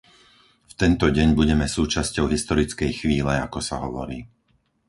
V tento deň budeme súčasťou historickej chvíle, ako sa hovorí.